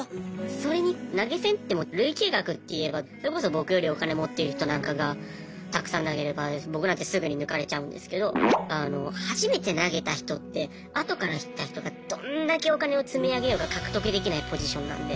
それに投げ銭って累計額っていえばそれこそ僕よりお金持っている人なんかがたくさん投げれば僕なんてすぐに抜かれちゃうんですけど初めて投げた人って後から知った人がどんだけお金を積み上げようが獲得できないポジションなんで。